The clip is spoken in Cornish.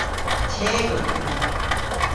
Teg owgh hwi.